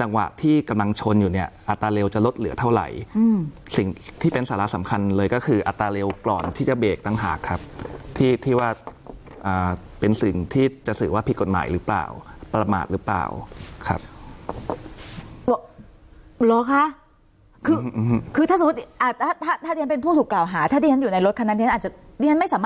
จังหวะที่กำลังชนอยู่เนี้ยอัตราเร็วจะลดเหลือเท่าไหร่อืมสิ่งที่เป็นสารสำคัญเลยก็คืออัตราเร็วก่อนที่จะเบรกตั้งหากครับที่ที่ว่าอ่าเป็นสิ่งที่จะถือว่าผิดกฎหมายหรือเปล่าประมาทหรือเปล่าครับเหรอค่ะคือคือถ้าสมมุติอ่าถ้าถ้าถ้าเรียนเป็นผู้ถูกกล่าวหาถ้า